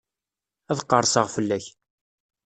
Ad qerseɣ fell-ak.